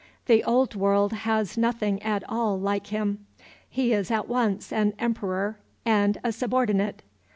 The Old World has nothing at all like him. He is at once an emperor and a subordinate.